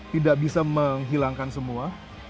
tidak bisa menghilangkan semua